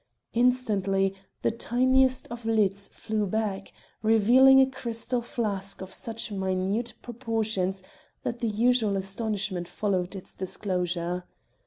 Instantly, the tiniest of lids flew back, revealing a crystal flask of such minute proportions that the usual astonishment followed its disclosure.